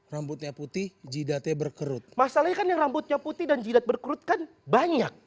rambutnya putih jidatnya berkerut masalahnya kan yang rambutnya putih dan jidat berkerut kan banyak